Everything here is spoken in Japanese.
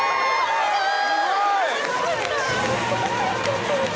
すごーい！